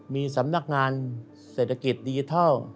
มีสำนักงานเศรษฐกิจดิจิทัล